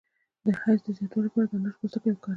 د حیض د زیاتوالي لپاره د انار پوستکی وکاروئ